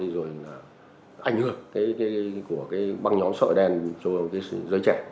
rồi là ảnh hưởng của cái băng nhóm sợi đen cho giới trẻ